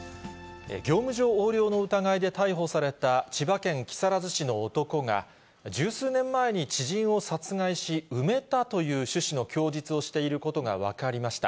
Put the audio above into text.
業務上横領の疑いで逮捕された、千葉県木更津市の男が、十数年前に知人を殺害し、埋めたという趣旨の供述をしていることが分かりました。